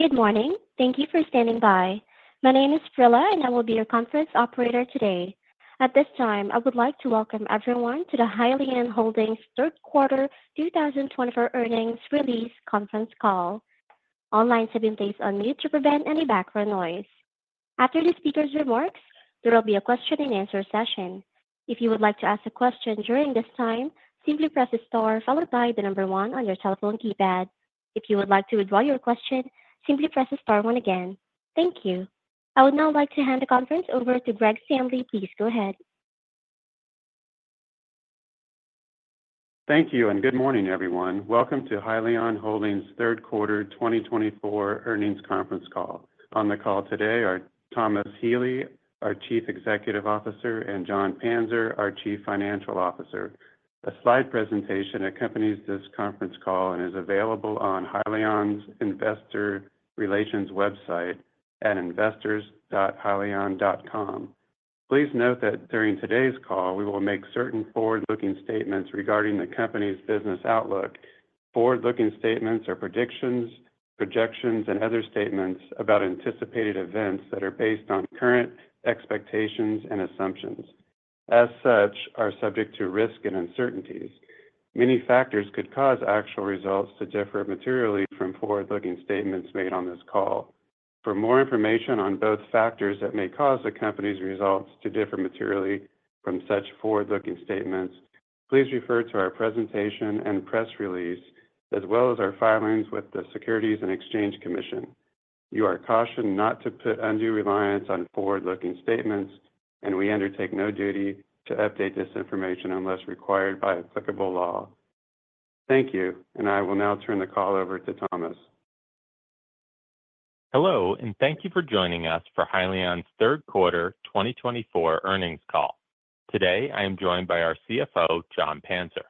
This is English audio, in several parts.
Good morning. Thank you for standing by. My name is Frilla, and I will be your conference operator today. At this time, I would like to welcome everyone to the Hyliion Holdings Q3 2024 earnings release conference call. All lines have been placed on mute to prevent any background noise. After the speaker's remarks, there will be a Q&A session. If you would like to ask a question during this time, simply press the star followed by the number one on your telephone keypad. If you would like to withdraw your question, simply press the star one again. Thank you. I would now like to hand the conference over to Greg Stanley. Please go ahead. Thank you, and good morning, everyone. Welcome to Hyliion Holdings Q3 2024 earnings conference call. On the call today are Thomas Healy, our Chief Executive Officer, and Jon Panzer, our Chief Financial Officer. A slide presentation accompanies this conference call and is available on Hyliion's investor relations website at investors.hyliion.com. Please note that during today's call, we will make certain forward-looking statements regarding the company's business outlook. Forward-looking statements are predictions, projections, and other statements about anticipated events that are based on current expectations and assumptions. As such, they are subject to risk and uncertainties. Many factors could cause actual results to differ materially from forward-looking statements made on this call. For more information on both factors that may cause the company's results to differ materially from such forward-looking statements, please refer to our presentation and press release, as well as our filings with the Securities and Exchange Commission. You are cautioned not to put undue reliance on forward-looking statements, and we undertake no duty to update this information unless required by applicable law. Thank you, and I will now turn the call over to Thomas. Hello, and thank you for joining us for Hyliion's Q3 2024 earnings call. Today, I am joined by our CFO, Jon Panzer.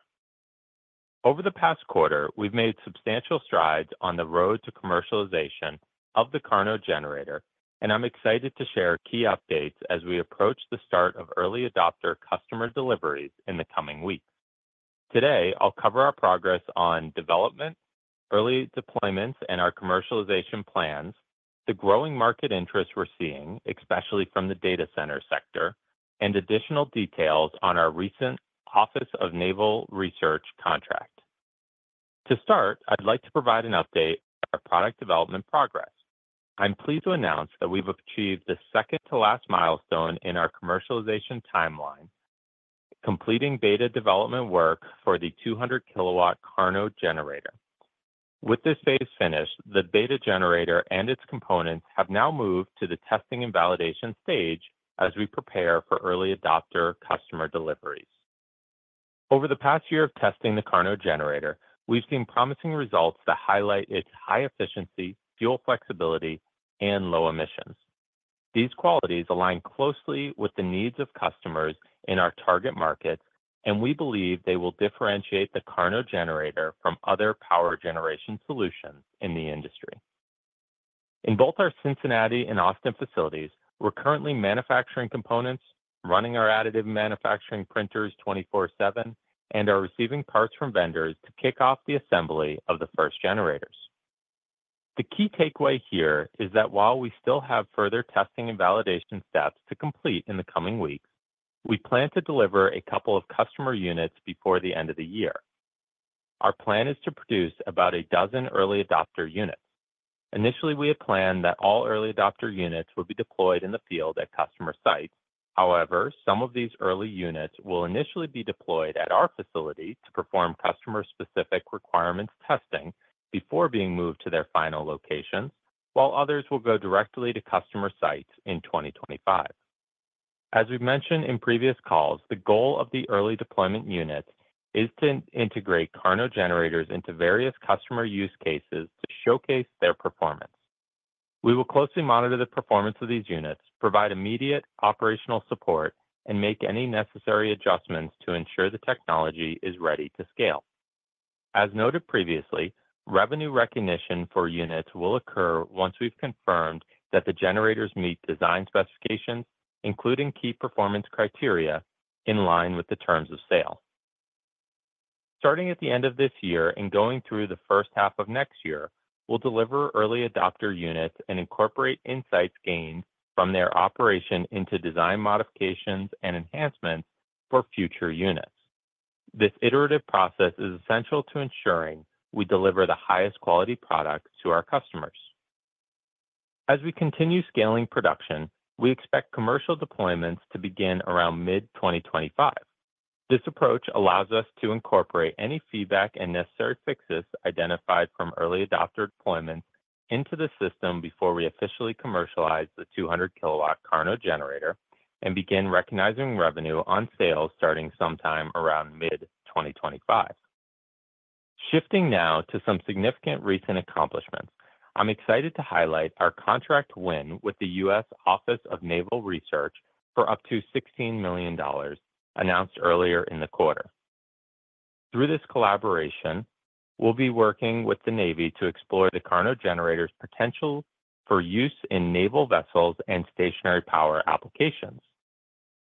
Over the past quarter, we've made substantial strides on the road to commercialization of the KARNO generator, and I'm excited to share key updates as we approach the start of early adopter customer deliveries in the coming weeks. Today, I'll cover our progress on development, early deployments, and our commercialization plans, the growing market interest we're seeing, especially from the data center sector, and additional details on our recent Office of Naval Research contract. To start, I'd like to provide an update on our product development progress. I'm pleased to announce that we've achieved the second-to-last milestone in our commercialization timeline, completing beta development work for the 200 kW KARNO generator. With this phase finished, the beta generator and its components have now moved to the testing and validation stage as we prepare for early adopter customer deliveries. Over the past year of testing the KARNO generator, we've seen promising results that highlight its high efficiency, fuel flexibility, and low emissions. These qualities align closely with the needs of customers in our target markets, and we believe they will differentiate the KARNO generator from other power generation solutions in the industry. In both our Cincinnati and Austin facilities, we're currently manufacturing components, running our additive manufacturing printers 24/7, and are receiving parts from vendors to kick off the assembly of the first generators. The key takeaway here is that while we still have further testing and validation steps to complete in the coming weeks, we plan to deliver a couple of customer units before the end of the year. Our plan is to produce about a dozen early adopter units. Initially, we had planned that all early adopter units would be deployed in the field at customer sites. However, some of these early units will initially be deployed at our facility to perform customer-specific requirements testing before being moved to their final locations, while others will go directly to customer sites in 2025. As we've mentioned in previous calls, the goal of the early deployment units is to integrate KARNO generators into various customer use cases to showcase their performance. We will closely monitor the performance of these units, provide immediate operational support, and make any necessary adjustments to ensure the technology is ready to scale. As noted previously, revenue recognition for units will occur once we've confirmed that the generators meet design specifications, including key performance criteria, in line with the terms of sale. Starting at the end of this year and going through the first half of next year, we'll deliver early adopter units and incorporate insights gained from their operation into design modifications and enhancements for future units. This iterative process is essential to ensuring we deliver the highest quality products to our customers. As we continue scaling production, we expect commercial deployments to begin around mid-2025. This approach allows us to incorporate any feedback and necessary fixes identified from early adopter deployments into the system before we officially commercialize the 200 kW KARNO generator and begin recognizing revenue on sales starting sometime around mid-2025. Shifting now to some significant recent accomplishments, I'm excited to highlight our contract win with the U.S. Office of Naval Research for up to $16 million announced earlier in the quarter. Through this collaboration, we'll be working with the Navy to explore the KARNO generator's potential for use in naval vessels and stationary power applications.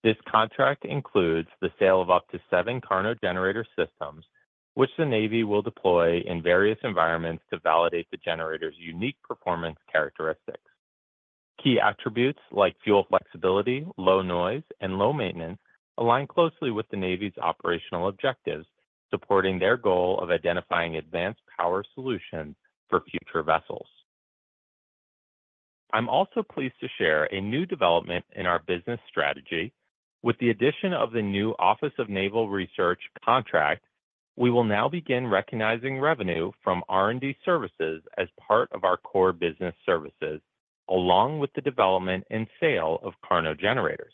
This contract includes the sale of up to seven KARNO generator systems, which the Navy will deploy in various environments to validate the generator's unique performance characteristics. Key attributes like fuel flexibility, low noise, and low maintenance align closely with the Navy's operational objectives, supporting their goal of identifying advanced power solutions for future vessels. I'm also pleased to share a new development in our business strategy. With the addition of the new Office of Naval Research contract, we will now begin recognizing revenue from R&D services as part of our core business services, along with the development and sale of KARNO generators.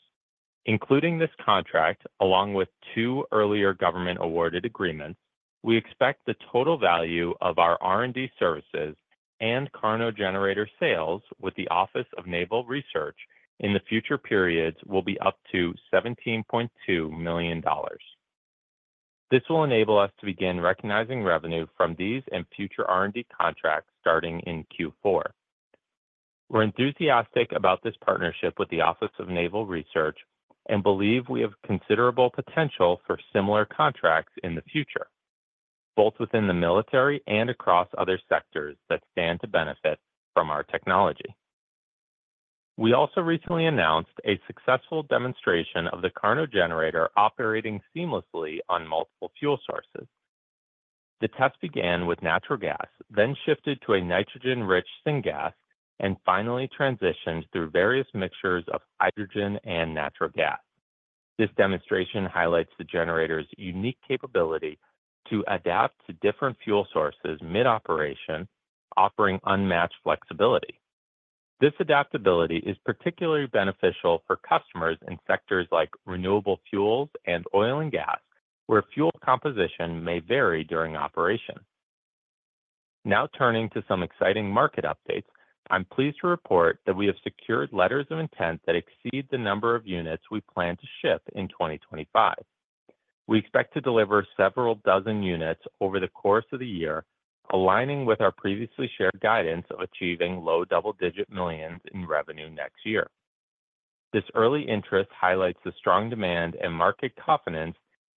Including this contract, along with two earlier government-awarded agreements, we expect the total value of our R&D services and KARNO generator sales with the Office of Naval Research in the future periods will be up to $17.2 million. This will enable us to begin recognizing revenue from these and future R&D contracts starting in Q4. We're enthusiastic about this partnership with the Office of Naval Research and believe we have considerable potential for similar contracts in the future, both within the military and across other sectors that stand to benefit from our technology. We also recently announced a successful demonstration of the KARNO generator operating seamlessly on multiple fuel sources. The test began with natural gas, then shifted to a nitrogen-rich syngas, and finally transitioned through various mixtures of hydrogen and natural gas. This demonstration highlights the generator's unique capability to adapt to different fuel sources mid-operation, offering unmatched flexibility. This adaptability is particularly beneficial for customers in sectors like renewable fuels and oil and gas, where fuel composition may vary during operation. Now turning to some exciting market updates, I'm pleased to report that we have secured letters of intent that exceed the number of units we plan to ship in 2025. We expect to deliver several dozen units over the course of the year, aligning with our previously shared guidance of achieving low double-digit millions in revenue next year. This early interest highlights the strong demand and market confidence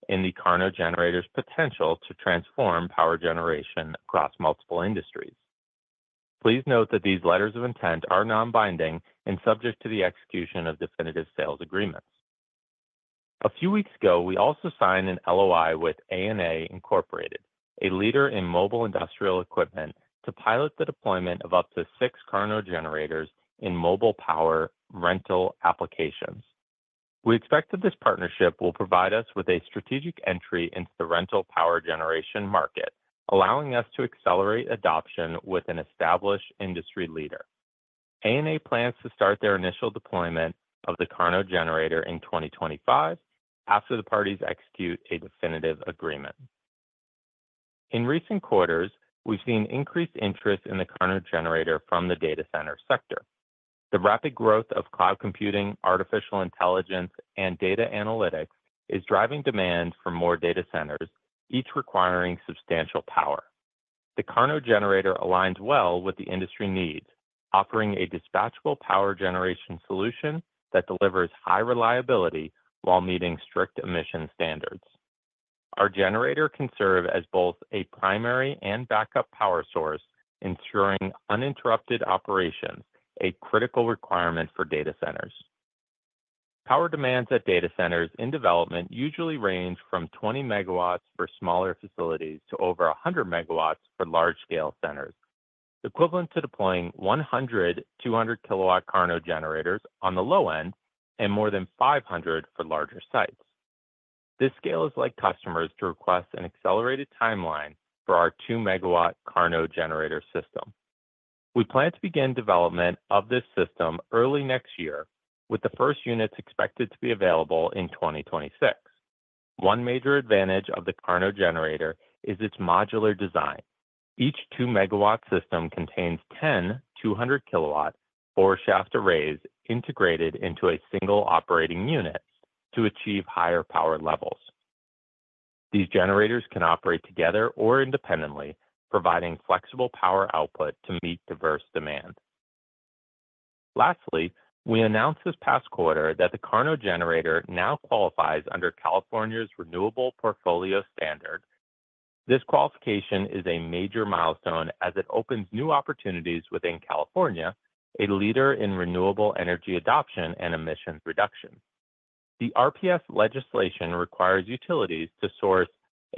in the KARNO generator's potential to transform power generation across multiple industries. Please note that these letters of intent are non-binding and subject to the execution of definitive sales agreements. A few weeks ago, we also signed an LOI with ANA Inc., a leader in mobile industrial equipment, to pilot the deployment of up to six KARNO generators in mobile power rental applications. We expect that this partnership will provide us with a strategic entry into the rental power generation market, allowing us to accelerate adoption with an established industry leader. ANA plans to start their initial deployment of the KARNO generator in 2025 after the parties execute a definitive agreement. In recent quarters, we've seen increased interest in the KARNO generator from the data center sector. The rapid growth of cloud computing, artificial intelligence, and data analytics is driving demand for more data centers, each requiring substantial power. The KARNO generator aligns well with the industry needs, offering a dispatchable power generation solution that delivers high reliability while meeting strict emission standards. Our generator can serve as both a primary and backup power source, ensuring uninterrupted operations, a critical requirement for data centers. Power demands at data centers in development usually range from 20 megawatts for smaller facilities to over 100 megawatts for large-scale centers, equivalent to deploying 100-200 kw KARNO generators on the low end and more than 500 for larger sites. This scale has led customers to request an accelerated timeline for our 2 MW KARNO generator system. We plan to begin development of this system early next year, with the first units expected to be available in 2026. One major advantage of the KARNO generator is its modular design. Each 2 MW system contains 10 200 kW four-shaft arrays integrated into a single operating unit to achieve higher power levels. These generators can operate together or independently, providing flexible power output to meet diverse demand. Lastly, we announced this past quarter that the KARNO generator now qualifies under California's Renewable Portfolio Standard. This qualification is a major milestone as it opens new opportunities within California, a leader in renewable energy adoption and emissions reduction. The RPS legislation requires utilities to source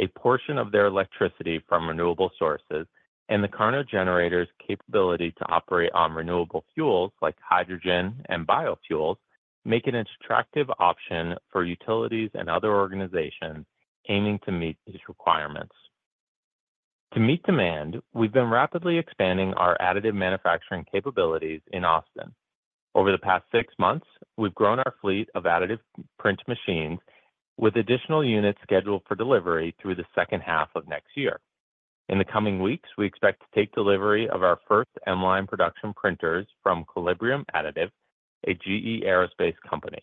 a portion of their electricity from renewable sources, and the KARNO generator's capability to operate on renewable fuels like hydrogen and biofuels makes it an attractive option for utilities and other organizations aiming to meet these requirements. To meet demand, we've been rapidly expanding our additive manufacturing capabilities in Austin. Over the past six months, we've grown our fleet of additive print machines, with additional units scheduled for delivery through the second half of next year. In the coming weeks, we expect to take delivery of our first M line production printers from Collibrium Additive, a GE Aerospace company.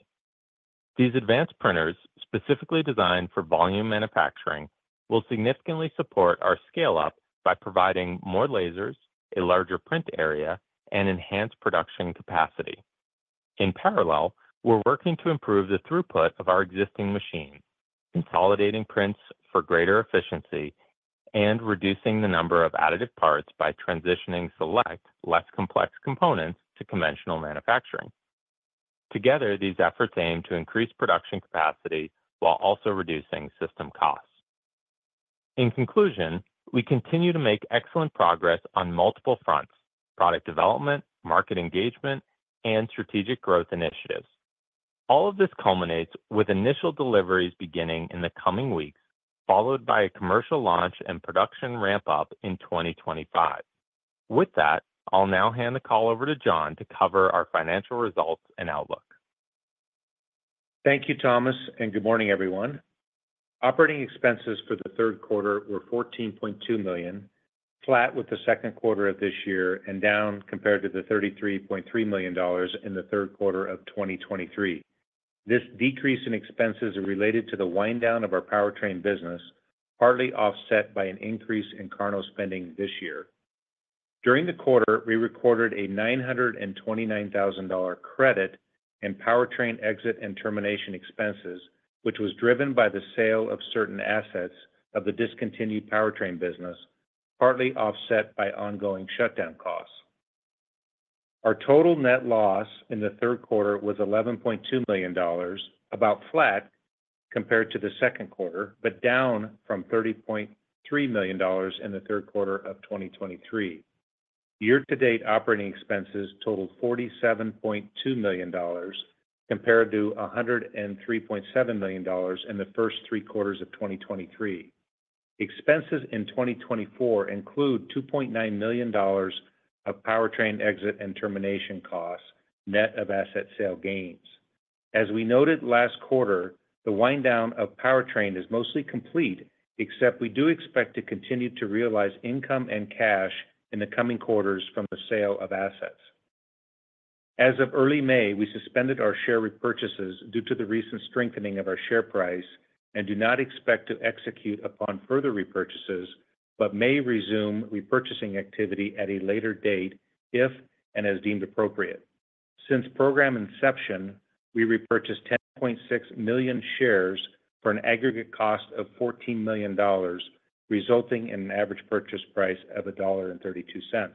These advanced printers, specifically designed for volume manufacturing, will significantly support our scale-up by providing more lasers, a larger print area, and enhanced production capacity. In parallel, we're working to improve the throughput of our existing machines, consolidating prints for greater efficiency, and reducing the number of additive parts by transitioning select, less complex components to conventional manufacturing. Together, these efforts aim to increase production capacity while also reducing system costs. In conclusion, we continue to make excellent progress on multiple fronts: product development, market engagement, and strategic growth initiatives. All of this culminates with initial deliveries beginning in the coming weeks, followed by a commercial launch and production ramp-up in 2025. With that, I'll now hand the call over to Jon to cover our financial results and outlook. Thank you, Thomas, and good morning, everyone. Operating expenses for the Q3 were $14.2 million, flat with the Q2 of this year and down compared to the $33.3 million in the Q3 of 2023. This decrease in expenses is related to the wind-down of our powertrain business, partly offset by an increase in KARNO spending this year. During the quarter, we recorded a $929,000 credit in powertrain exit and termination expenses, which was driven by the sale of certain assets of the discontinued powertrain business, partly offset by ongoing shutdown costs. Our total net loss in the Q3 was $11.2 million, about flat compared to the Q2, but down from $30.3 million in the Q3 of 2023. Year-to-date operating expenses totaled $47.2 million compared to $103.7 million in the first three quarters of 2023. Expenses in 2024 include $2.9 million of powertrain exit and termination costs, net of asset sale gains. As we noted last quarter, the wind-down of powertrain is mostly complete, except we do expect to continue to realize income and cash in the coming quarters from the sale of assets. As of early May, we suspended our share repurchases due to the recent strengthening of our share price and do not expect to execute upon further repurchases, but may resume repurchasing activity at a later date if and as deemed appropriate. Since program inception, we repurchased 10.6 million shares for an aggregate cost of $14 million, resulting in an average purchase price of $1.32.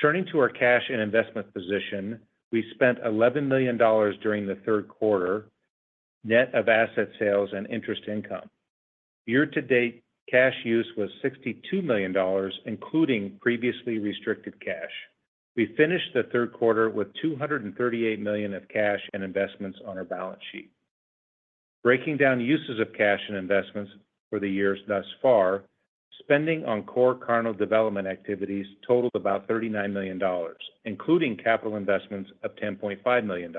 Turning to our cash and investment position, we spent $11 million during the Q3, net of asset sales and interest income. Year-to-date cash use was $62 million, including previously restricted cash. We finished the Q3 with $238 million of cash and investments on our balance sheet. Breaking down uses of cash and investments for the years thus far, spending on core KARNO development activities totaled about $39 million, including capital investments of $10.5 million.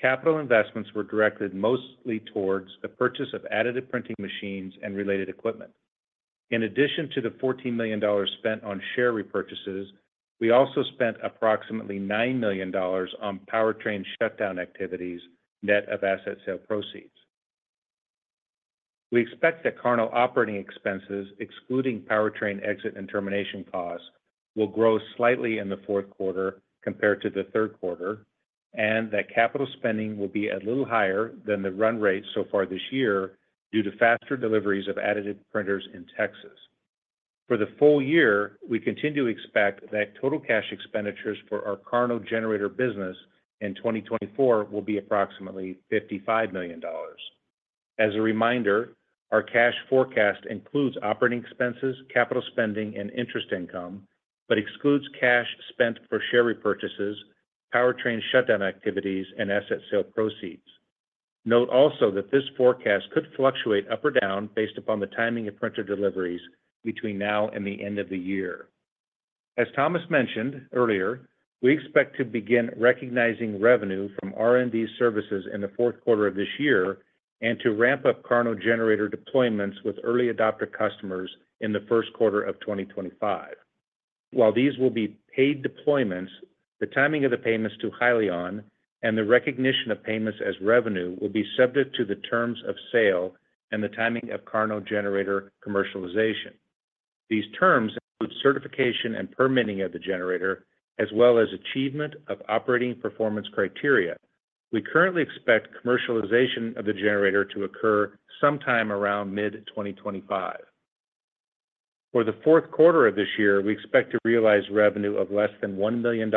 Capital investments were directed mostly towards the purchase of additive printing machines and related equipment. In addition to the $14 million spent on share repurchases, we also spent approximately $9 million on powertrain shutdown activities, net of asset sale proceeds. We expect that KARNO operating expenses, excluding powertrain exit and termination costs, will grow slightly in the Q4 compared to the Q3, and that capital spending will be a little higher than the run rate so far this year due to faster deliveries of additive printers in Texas. For the full year, we continue to expect that total cash expenditures for our KARNO generator business in 2024 will be approximately $55 million. As a reminder, our cash forecast includes operating expenses, capital spending, and interest income, but excludes cash spent for share repurchases, powertrain shutdown activities, and asset sale proceeds. Note also that this forecast could fluctuate up or down based upon the timing of printer deliveries between now and the end of the year. As Thomas mentioned earlier, we expect to begin recognizing revenue from R&D services in the Q4 of this year and to ramp up KARNO generator deployments with early adopter customers in the Q1 of 2025. While these will be paid deployments, the timing of the payments to Hyliion and the recognition of payments as revenue will be subject to the terms of sale and the timing of KARNO generator commercialization. These terms include certification and permitting of the generator, as well as achievement of operating performance criteria. We currently expect commercialization of the generator to occur sometime around mid-2025. For the Q4 of this year, we expect to realize revenue of less than $1 million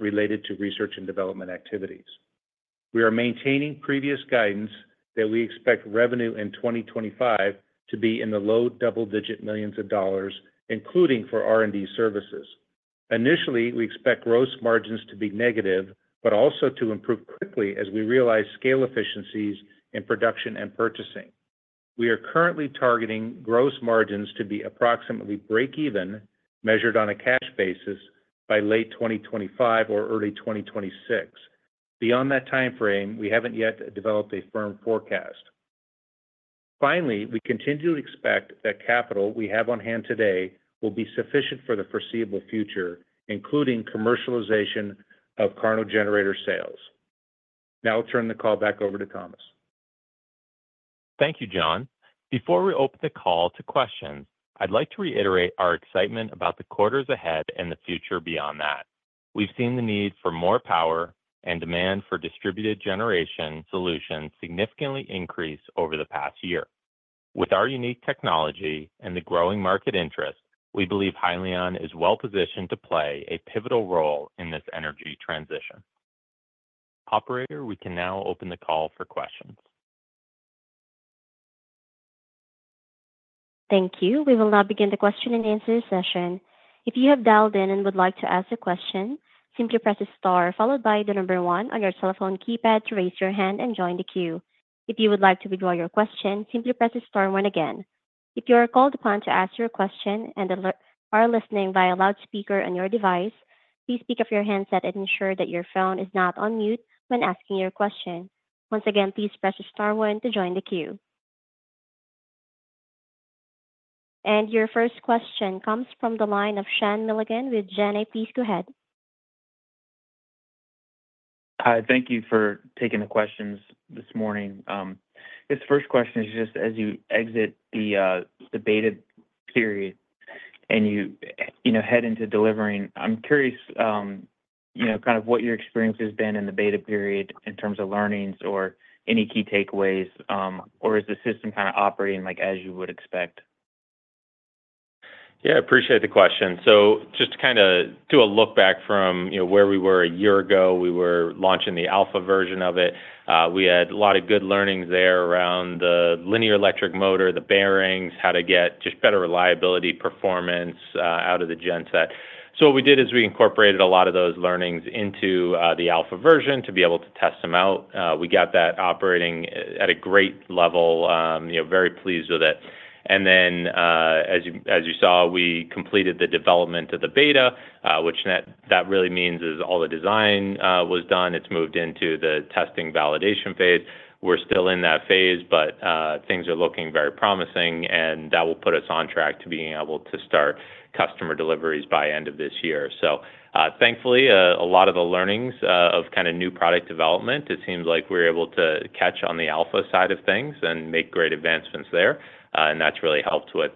related to research and development activities. We are maintaining previous guidance that we expect revenue in 2025 to be in the low double-digit millions of dollars, including for R&D services. Initially, we expect gross margins to be negative, but also to improve quickly as we realize scale efficiencies in production and purchasing. We are currently targeting gross margins to be approximately break-even, measured on a cash basis, by late 2025 or early 2026. Beyond that time frame, we haven't yet developed a firm forecast. Finally, we continue to expect that capital we have on hand today will be sufficient for the foreseeable future, including commercialization of KARNO generator sales. Now I'll turn the call back over to Thomas. Thank you, Jon. Before we open the call to questions, I'd like to reiterate our excitement about the quarters ahead and the future beyond that. We've seen the need for more power and demand for distributed generation solutions significantly increase over the past year. With our unique technology and the growing market interest, we believe Hyliion is well-positioned to play a pivotal role in this energy transition. Operator, we can now open the call for questions. Thank you. We will now begin the question and answer session. If you have dialed in and would like to ask a question, simply press the star followed by the number one on your telephone keypad to raise your hand and join the queue. If you would like to withdraw your question, simply press the star one again. If you are called upon to ask your question and are listening via loudspeaker on your device, please pick up your handset and ensure that your phone is not on mute when asking your question. Once again, please press the star one to join the queue, and your first question comes from the line of Sean Milligan with Janney Montgomery Scott. Please go ahead. Hi. Thank you for taking the questions this morning. This first question is just as you exit the beta period and you head into delivering. I'm curious kind of what your experience has been in the beta period in terms of learnings or any key takeaways, or is the system kind of operating as you would expect? Yeah. I appreciate the question, so just to kind of do a look back from where we were a year ago, we were launching the alpha version of it. We had a lot of good learnings there around the linear electric motor, the bearings, how to get just better reliability performance out of the genset. So what we did is we incorporated a lot of those learnings into the alpha version to be able to test them out. We got that operating at a great level, very pleased with it. And then, as you saw, we completed the development of the beta, which that really means is all the design was done. It's moved into the testing validation phase. We're still in that phase, but things are looking very promising, and that will put us on track to being able to start customer deliveries by end of this year. So thankfully, a lot of the learnings of kind of new product development, it seems like we're able to catch on the alpha side of things and make great advancements there. And that's really helped with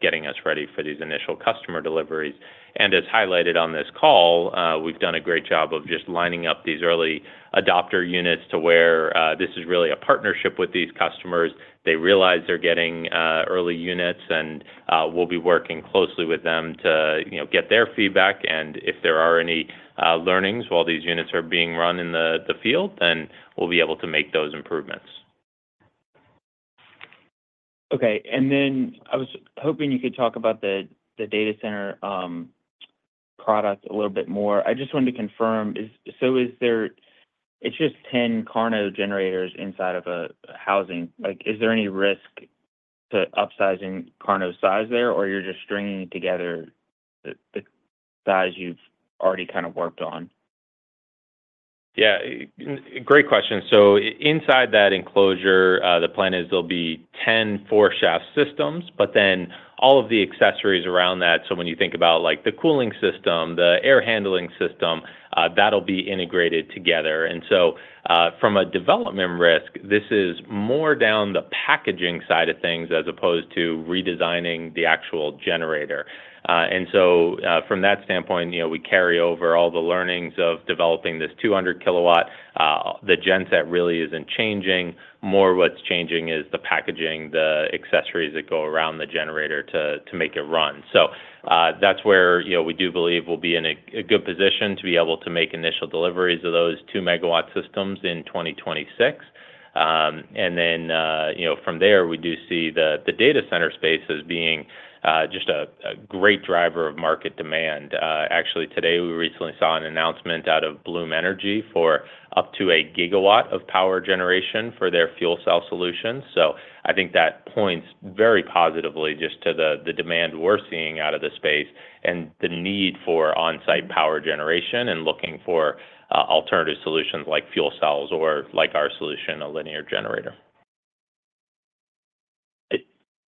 getting us ready for these initial customer deliveries. And as highlighted on this call, we've done a great job of just lining up these early adopter units to where this is really a partnership with these customers. They realize they're getting early units, and we'll be working closely with them to get their feedback. And if there are any learnings while these units are being run in the field, then we'll be able to make those improvements. Okay. And then I was hoping you could talk about the data center product a little bit more. I just wanted to confirm, so it's just 10 KARNO generators inside of a housing. Is there any risk to upsizing KARNO's size there, or you're just stringing together the size you've already kind of worked on? Yeah. Great question, so inside that enclosure, the plan is there'll be 10 four-shaft systems, but then all of the accessories around that, so when you think about the cooling system, the air handling system, that'll be integrated together, and so from a development risk, this is more down the packaging side of things as opposed to redesigning the actual generator, and so from that standpoint, we carry over all the learnings of developing this 200 kW. The genset really isn't changing. More what's changing is the packaging, the accessories that go around the generator to make it run, so that's where we do believe we'll be in a good position to be able to make initial deliveries of those 2 MW systems in 2026. And then from there, we do see the data center space as being just a great driver of market demand. Actually, today, we recently saw an announcement out of Bloom Energy for up to a GW of power generation for their fuel cell solutions. So I think that points very positively just to the demand we're seeing out of the space and the need for on-site power generation and looking for alternative solutions like fuel cells or like our solution, a linear generator.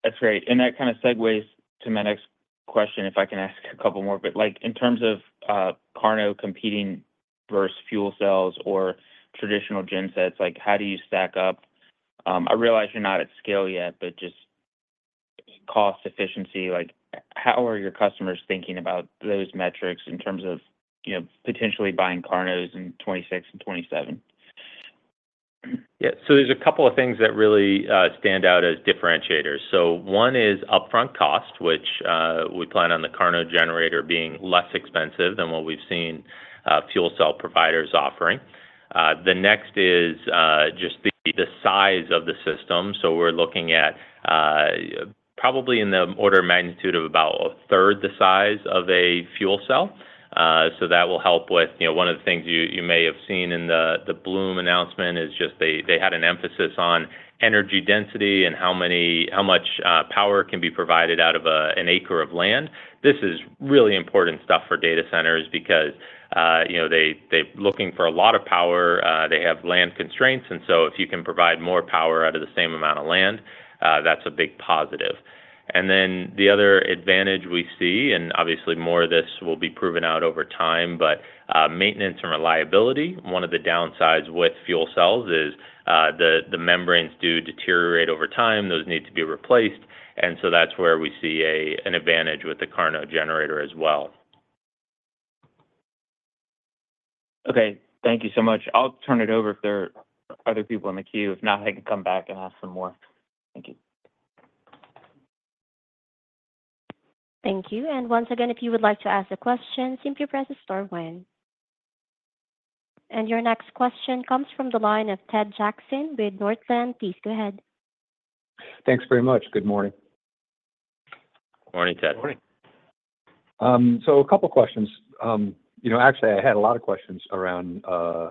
That's great. And that kind of segues to my next question, if I can ask a couple more. But in terms of KARNO competing versus fuel cells or traditional gensets, how do you stack up? I realize you're not at scale yet, but just cost efficiency, how are your customers thinking about those metrics in terms of potentially buying KARNOs in 2026 and 2027? Yeah. So there's a couple of things that really stand out as differentiators. So one is upfront cost, which we plan on the KARNO generator being less expensive than what we've seen fuel cell providers offering. The next is just the size of the system. So we're looking at probably in the order of magnitude of about a third the size of a fuel cell. So that will help with one of the things you may have seen in the Bloom announcement, which is just they had an emphasis on energy density and how much power can be provided out of an acre of land. This is really important stuff for data centers because they're looking for a lot of power. They have land constraints, and so if you can provide more power out of the same amount of land, that's a big positive. And then the other advantage we see, and obviously more of this will be proven out over time, but maintenance and reliability. One of the downsides with fuel cells is the membranes do deteriorate over time. Those need to be replaced. And so that's where we see an advantage with the KARNO generator as well. Okay. Thank you so much. I'll turn it over if there are other people in the queue. If not, I can come back and ask some more. Thank you. Thank you. And once again, if you would like to ask a question, simply press the star one. And your next question comes from the line of Ted Jackson with Northland. Please go ahead. Thanks very much. Good morning. Good morning, Ted. Good morning. So a couple of questions. Actually, I had a lot of questions around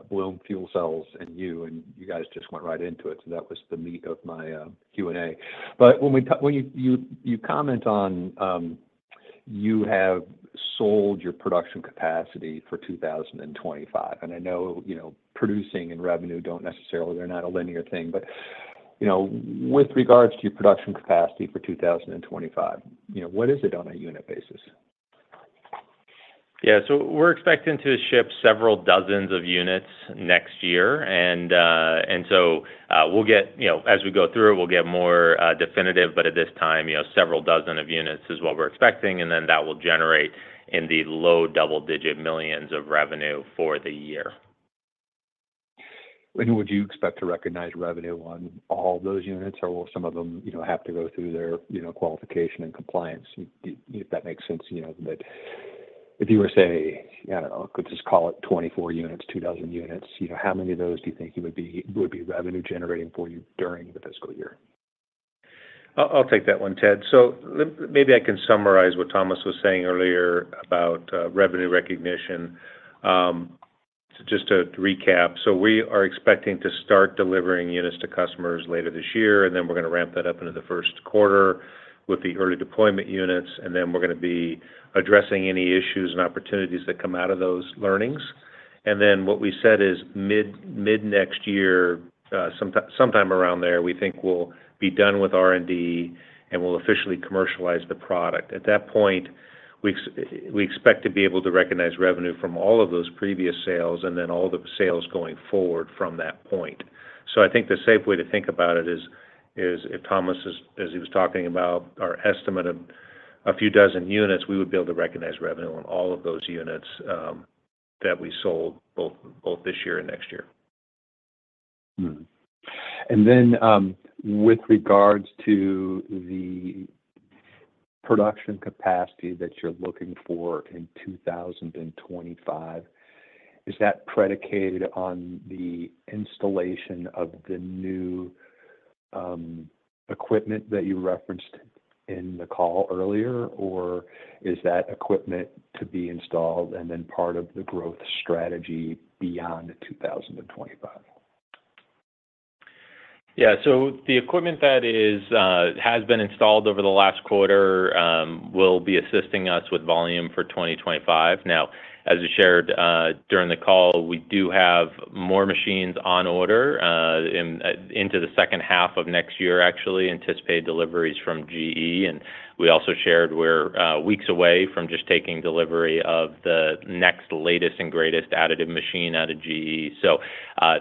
Bloom fuel cells and you, and you guys just went right into it. So that was the meat of my Q&A. But when you comment on you have sold your production capacity for 2025, and I know producing and revenue don't necessarily—they're not a linear thing. But with regards to your production capacity for 2025, what is it on a unit basis? Yeah. So we're expecting to ship several dozens of units next year. And so we'll get—as we go through it, we'll get more definitive, but at this time, several dozen of units is what we're expecting. And then that will generate in the low double-digit millions of revenue for the year. And would you expect to recognize revenue on all those units, or will some of them have to go through their qualification and compliance, if that makes sense? But if you were to say, I don't know, just call it 24 units, two dozen units, how many of those do you think you would be revenue-generating for you during the fiscal year? I'll take that one, Ted. So maybe I can summarize what Thomas was saying earlier about revenue recognition. Just to recap, so we are expecting to start delivering units to customers later this year, and then we're going to ramp that up into the Q1 with the early deployment units. And then we're going to be addressing any issues and opportunities that come out of those learnings. And then what we said is mid-next year, sometime around there, we think we'll be done with R&D, and we'll officially commercialize the product. At that point, we expect to be able to recognize revenue from all of those previous sales and then all the sales going forward from that point. So I think the safe way to think about it is, if Thomas, as he was talking about, our estimate of a few dozen units, we would be able to recognize revenue on all of those units that we sold both this year and next year. And then with regards to the production capacity that you're looking for in 2025, is that predicated on the installation of the new equipment that you referenced in the call earlier, or is that equipment to be installed and then part of the growth strategy beyond 2025? Yeah, so the equipment that has been installed over the last quarter will be assisting us with volume for 2025. Now, as you shared during the call, we do have more machines on order into the second half of next year, actually, anticipated deliveries from GE. We also shared we're weeks away from just taking delivery of the next latest and greatest additive machine out of GE. So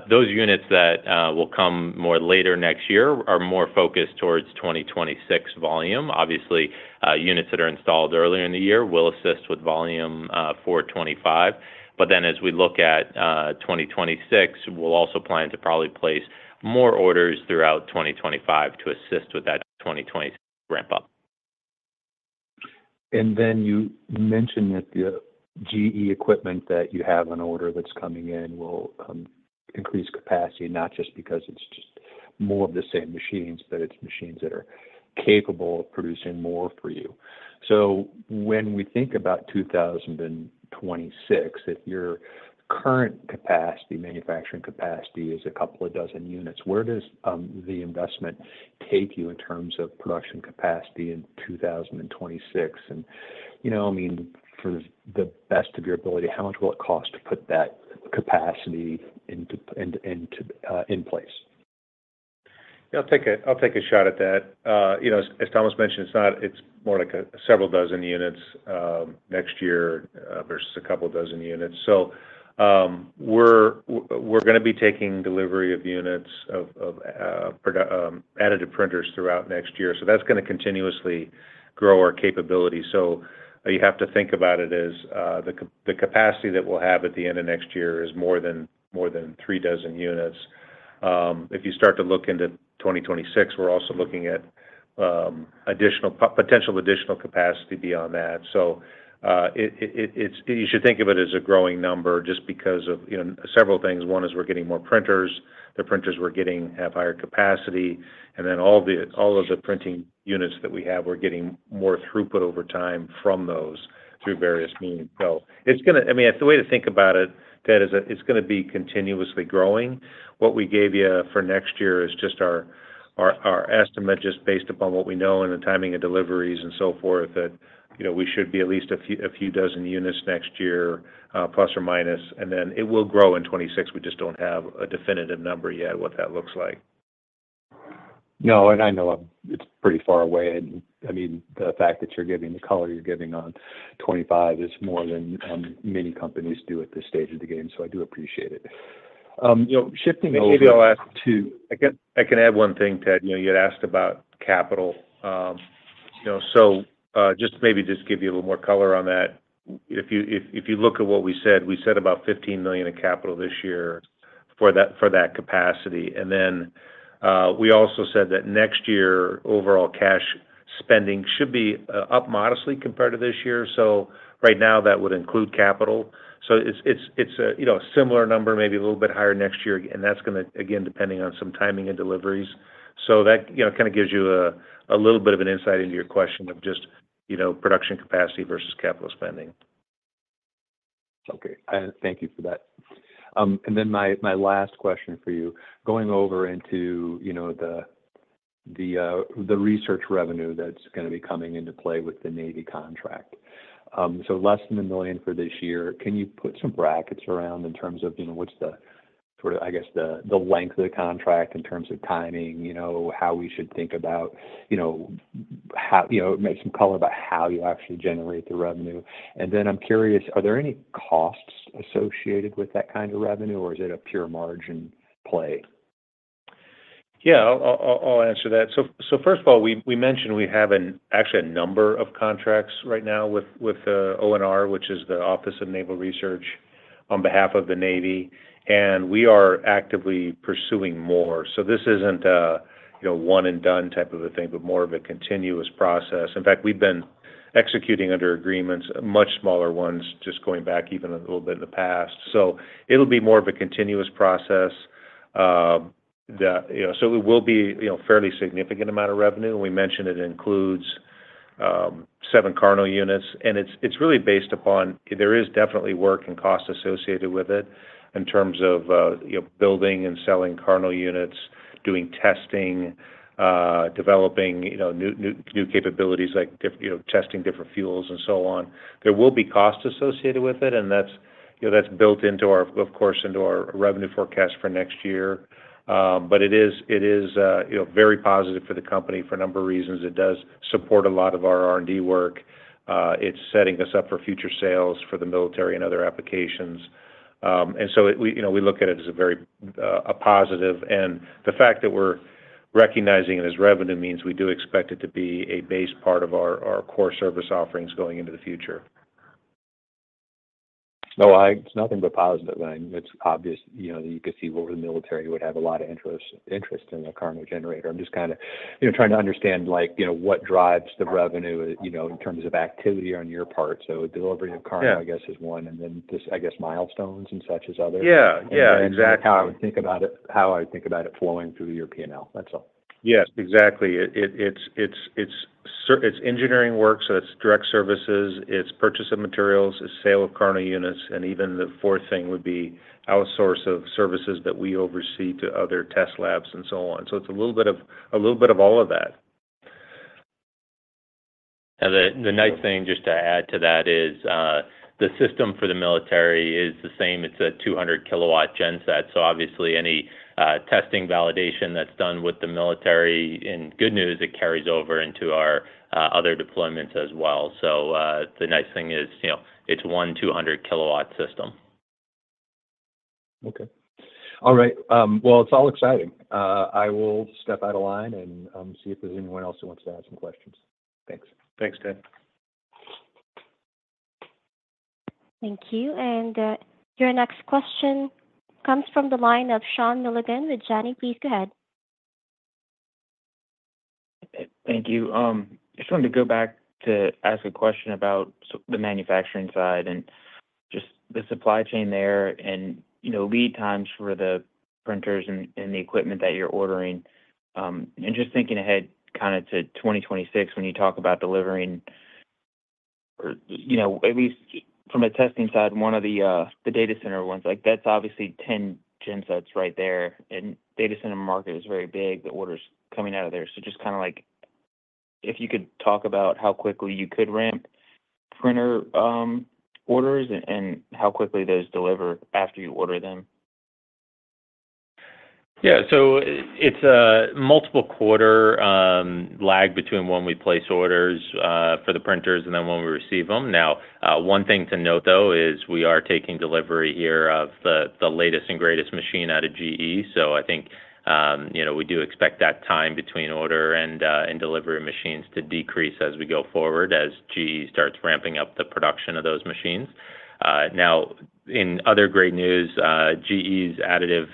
those units that will come more later next year are more focused towards 2026 volume. Obviously, units that are installed earlier in the year will assist with volume for 2025. But then as we look at 2026, we'll also plan to probably place more orders throughout 2025 to assist with that 2026 ramp-up. You mentioned that the GE equipment that you have on order that's coming in will increase capacity, not just because it's just more of the same machines, but it's machines that are capable of producing more for you. So when we think about 2026, if your current manufacturing capacity is a couple of dozen units, where does the investment take you in terms of production capacity in 2026? And I mean, for the best of your ability, how much will it cost to put that capacity in place? Yeah. I'll take a shot at that. As Thomas mentioned, it's more like several dozen units next year versus a couple of dozen units. So we're going to be taking delivery of units of additive printers throughout next year. So that's going to continuously grow our capability. So you have to think about it as the capacity that we'll have at the end of next year is more than three dozen units. If you start to look into 2026, we're also looking at potential additional capacity beyond that. So you should think of it as a growing number just because of several things. One is we're getting more printers. The printers we're getting have higher capacity. And then all of the printing units that we have, we're getting more throughput over time from those through various means. So it's going to, I mean, the way to think about it, Ted, is it's going to be continuously growing. What we gave you for next year is just our estimate just based upon what we know and the timing of deliveries and so forth that we should be at least a few dozen units next year, +/-. And then it will grow in 2026. We just don't have a definitive number yet of what that looks like. No, and I know it's pretty far away. I mean, the fact that you're giving the color you're giving on 2025 is more than many companies do at this stage of the game. So I do appreciate it. I can add one thing, Ted. You had asked about capital. So just maybe give you a little more color on that. If you look at what we said, we said about $15 million in capital this year for that capacity. And then we also said that next year, overall cash spending should be up modestly compared to this year. So right now, that would include capital. So it's a similar number, maybe a little bit higher next year. And that's going to, again, depending on some timing and deliveries. So that kind of gives you a little bit of an insight into your question of just production capacity versus capital spending. Okay. Thank you for that. And then my last question for you, going over into the research revenue that's going to be coming into play with the Navy contract. So less than $1 million for this year. Can you put some brackets around in terms of what's the, I guess, the length of the contract in terms of timing, how we should think about, make some color about how you actually generate the revenue? And then I'm curious, are there any costs associated with that kind of revenue, or is it a pure margin play? Yeah. I'll answer that. So first of all, we mentioned we have actually a number of contracts right now with ONR, which is the Office of Naval Research, on behalf of the Navy. And we are actively pursuing more. So this isn't a one-and-done type of a thing, but more of a continuous process. In fact, we've been executing under agreements, much smaller ones, just going back even a little bit in the past. So it'll be more of a continuous process. So it will be a fairly significant amount of revenue. We mentioned it includes seven KARNO units. And it's really based upon, there is definitely work and cost associated with it in terms of building and selling KARNO units, doing testing, developing new capabilities like testing different fuels and so on. There will be costs associated with it. And that's built into, of course, into our revenue forecast for next year. But it is very positive for the company for a number of reasons. It does support a lot of our R&D work. It's setting us up for future sales for the military and other applications. And so we look at it as a very positive. And the fact that we're recognizing it as revenue means we do expect it to be a base part of our core service offerings going into the future. No, it's nothing but positive. I mean, it's obvious that you could see where the military would have a lot of interest in a KARNO generator. I'm just kind of trying to understand what drives the revenue in terms of activity on your part. So delivery of KARNO, I guess, is one. And then just, I guess, milestones and such as others. Yeah. Exactly. And how I would think about it, how I would think about it flowing through your P&L. That's all. Yes. Exactly. It's engineering work. So it's direct services. It's purchase of materials. It's sale of KARNO units. And even the fourth thing would be outsource of services that we oversee to other test labs and so on. So it's a little bit of all of that. And the nice thing just to add to that is the system for the military is the same. It's a 200 kW genset. So obviously, any testing validation that's done with the military, in good news, it carries over into our other deployments as well. So the nice thing is it's one 200 kW system. Okay. All right. Well, it's all exciting. I will step out of line and see if there's anyone else who wants to ask some questions. Thanks. Thanks, Ted. Thank you. And your next question comes from the line of Sean Milligan with Janney. Please go ahead. Thank you. I just wanted to go back to ask a question about the manufacturing side and just the supply chain there and lead times for the printers and the equipment that you're ordering. And just thinking ahead kind of to 2026, when you talk about delivering, at least from a testing side, one of the data center ones, that's obviously 10 gensets right there. And data center market is very big. The order's coming out of there. So just kind of if you could talk about how quickly you could ramp printer orders and how quickly those deliver after you order them. Yeah. So it's a multiple-quarter lag between when we place orders for the printers and then when we receive them. Now, one thing to note, though, is we are taking delivery here of the latest and greatest machine out of GE. So I think we do expect that time between order and delivery machines to decrease as we go forward as GE starts ramping up the production of those machines. Now, in other great news, GE's additive,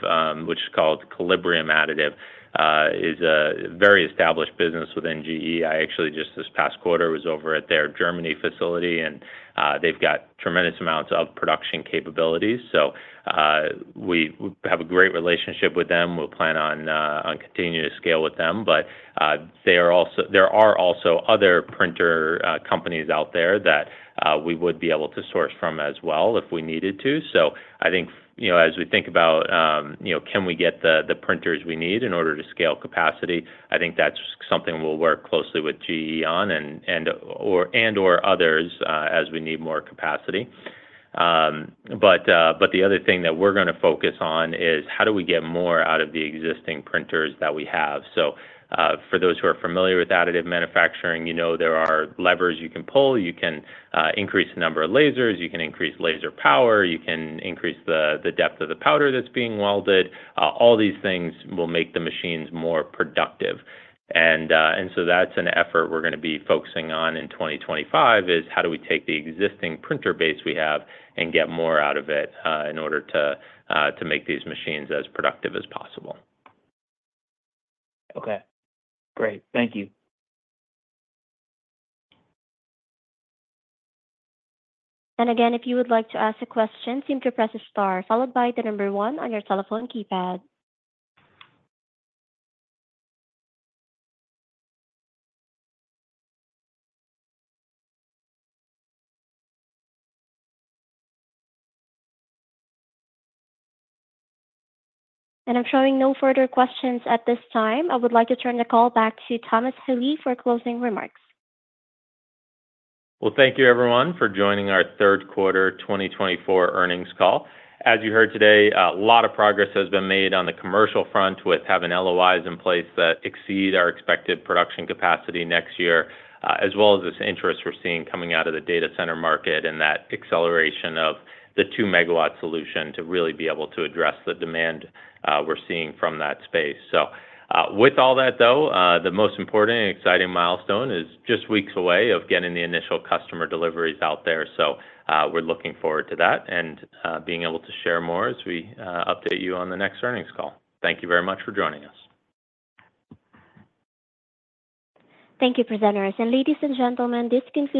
which is called Collibrium Additive, is a very established business within GE. I actually just this past quarter was over at their Germany facility, and they've got tremendous amounts of production capabilities. So we have a great relationship with them. We'll plan on continuing to scale with them. But there are also other printer companies out there that we would be able to source from as well if we needed to. So I think as we think about, can we get the printers we need in order to scale capacity, I think that's something we'll work closely with GE on and/or others as we need more capacity. But the other thing that we're going to focus on is how do we get more out of the existing printers that we have. So for those who are familiar with additive manufacturing, there are levers you can pull. You can increase the number of lasers. You can increase laser power. You can increase the depth of the powder that's being welded. All these things will make the machines more productive. And so that's an effort we're going to be focusing on in 2025 is how do we take the existing printer base we have and get more out of it in order to make these machines as productive as possible. Okay. Great. Thank you. And again, if you would like to ask a question, simply press a star followed by the number one on your telephone keypad. And if there are no further questions at this time, I would like to turn the call back to Thomas Healy for closing remarks. Well, thank you, everyone, for joining our Q3 2024 earnings call. As you heard today, a lot of progress has been made on the commercial front with having LOIs in place that exceed our expected production capacity next year, as well as this interest we're seeing coming out of the data center market and that acceleration of the 2 MW solution to really be able to address the demand we're seeing from that space. So with all that, though, the most important and exciting milestone is just weeks away of getting the initial customer deliveries out there. So we're looking forward to that and being able to share more as we update you on the next earnings call. Thank you very much for joining us. Thank you, presenters. And ladies and gentlemen, this concludes.